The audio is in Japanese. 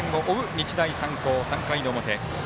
日大三高３回の表。